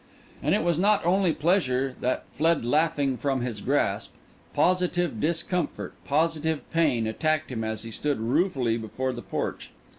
And it was not only pleasure that fled laughing from his grasp; positive discomfort, positive pain, attacked him as he stood ruefully before the porch.